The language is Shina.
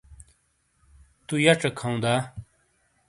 تُو یَڇیک ہَؤں دا؟